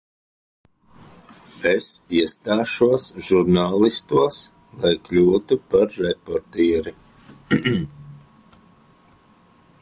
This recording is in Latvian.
Es iestāšos žurnālistos, lai kļūtu par reportieri.